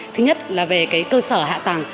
thứ nhất là về cái cơ sở hạ tầng